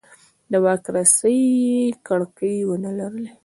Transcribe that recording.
د واک رسۍ یې کړکۍ ونه لري.